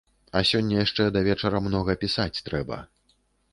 А сёння яшчэ да вечара многа пісаць трэба.